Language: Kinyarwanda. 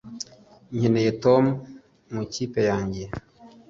nkeneye tom mu ikipe yanjye